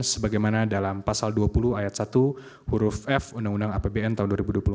sebagaimana dalam pasal dua puluh ayat satu huruf f undang undang apbn tahun dua ribu dua puluh empat